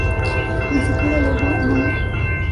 Ni siquiera le da nombre.